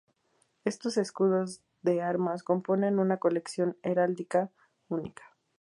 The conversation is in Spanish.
Estos escudos de armas componen una colección heráldica única.